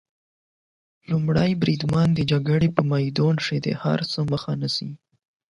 لومړی بریدمن د جګړې په میدان کې د هر څه مخه نیسي.